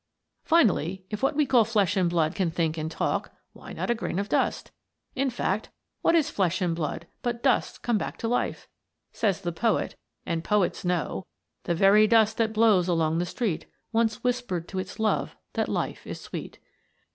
Finally, if what we call flesh and blood can think and talk, why not a grain of dust? In fact, what is flesh and blood but dust come back to life? Says the poet and the poets know: "The very dust that blows along the street Once whispered to its love that life is sweet."